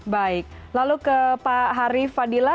baik lalu ke pak harif fadila